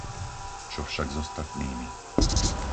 Čo však s ostatnými?